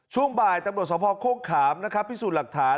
ช่วงบ่ายตำรวจสอบพ่อโค้กขามพิสูจน์หลักฐาน